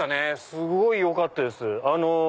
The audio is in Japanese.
すごいよかったです。